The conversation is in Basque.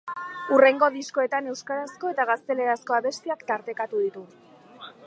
Hurrengo diskoetan euskarazko eta gaztelerazko abestiak tartekatu ditu.